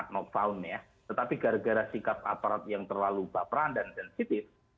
empat ratus empat not found tetapi gara gara sikap aparat yang terlalu baperan dan sensitif